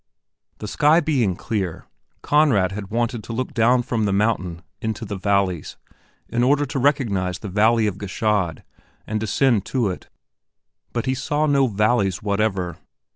The sky being clear, Conrad had wanted to look down from the mountain into the valleys in order to recognize the valley of Gschaid and descend to it. But he saw no valleys whatever.